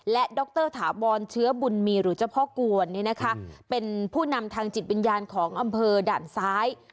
และดรถาวรเชื้อบุญมีหรือเจ้าพ่อกวนเป็นผู้นำทางจิตวิญญาณของอำเภอด่านซ้าย